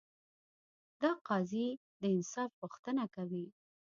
دا قاضي د انصاف غوښتنه کوي.